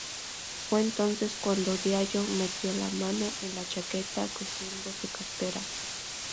Fue entonces cuando Diallo metió la mano en la chaqueta cogiendo su cartera.